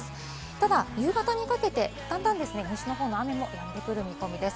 ただ夕方にかけてだんだん西日本のほうも雨も上がってくる見込みです。